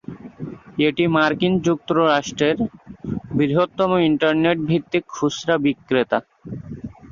এটি মার্কিন যুক্তরাষ্ট্রের বৃহত্তম ইন্টারনেট ভিত্তিক খুচরা বিক্রেতা।